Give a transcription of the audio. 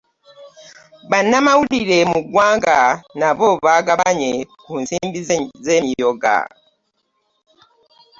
Bannamawulire mu ggwanga nabo bagabanye ku nsimbi z'emyoga.